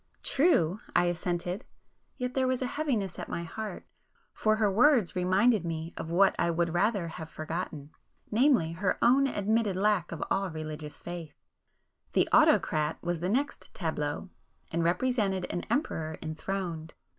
"True!" I assented; yet there was a heaviness at my heart, for her words reminded me of what I would rather have forgotten,—namely her own admitted lack of all religious [p 276] faith. 'The Autocrat,' was the next tableau, and represented an Emperor enthroned.